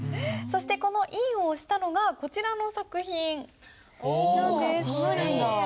そしてこの印を押したのがこちらの作品なんです。